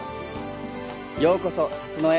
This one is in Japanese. ようこそ龍野へ。